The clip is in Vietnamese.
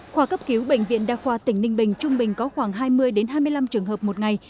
khoa cấp cứu bệnh viện đa khoa tỉnh ninh bình trung bình có khoảng hai mươi hai mươi năm trường hợp một ngày